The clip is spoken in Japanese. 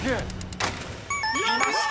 ［いました。